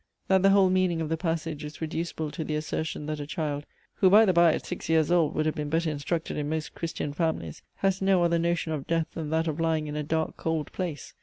that the whole meaning of the passage is reducible to the assertion, that a child, who by the bye at six years old would have been better instructed in most Christian families, has no other notion of death than that of lying in a dark, cold place?